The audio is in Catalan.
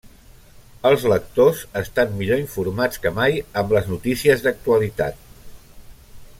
Els lectors estan millor informats que mai amb les notícies d’actualitat.